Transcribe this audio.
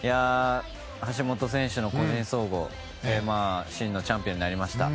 橋本選手の個人総合真のチャンピオンになりました。